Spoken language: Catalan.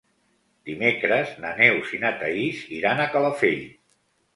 Dimecres na Neus i na Thaís iran a Calafell.